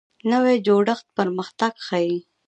نوی جوړښت پرمختګ ښیي